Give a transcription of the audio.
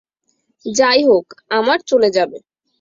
যাই হোক, আমার চলে যাবে।